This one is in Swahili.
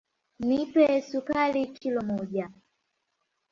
Nipe sukari kilo moja.